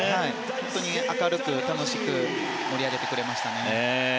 本当に明るく楽しく盛り上げてくれましたね。